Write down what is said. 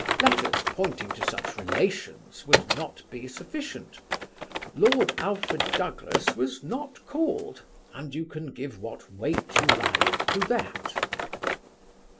Letters pointing to such relations would not be sufficient. Lord Alfred Douglas was not called, and you can give what weight you like to that."